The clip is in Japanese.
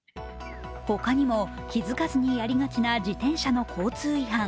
他にも気づかずにやりがちな自転車の交通違反。